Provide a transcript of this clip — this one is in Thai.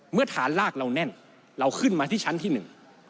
เมื่อฐานลากเราแน่นเราขึ้นมาที่ชั้นที่หนึ่ง